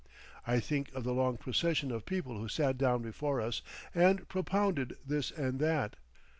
I think of the long procession of people who sat down before us and propounded this and that.